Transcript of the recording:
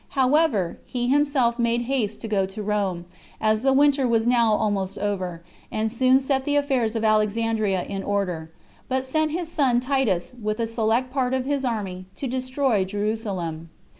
However, he himself made haste to go to Rome, as the winter was now almost over, and soon set the affairs of Alexandria in order, but sent his son Titus, with a select part of his army, to destroy Jerusalem.